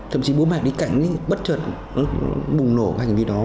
thậm chí bố mẹ đi cạnh bất chật bùng nổ các hành vi đó